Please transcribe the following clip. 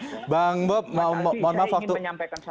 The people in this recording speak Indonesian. terima kasih saya ingin menyampaikan satu hal